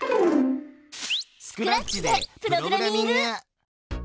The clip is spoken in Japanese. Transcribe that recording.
スクラッチでプログラミング！